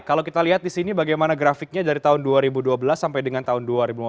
kalau kita lihat di sini bagaimana grafiknya dari tahun dua ribu dua belas sampai dengan tahun dua ribu lima belas